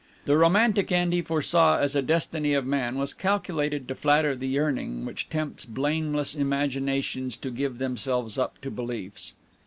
The romantic end he foresaw as the destiny of man was calculated to flatter the yearning which tempts blameless imaginations to give themselves up to beliefs.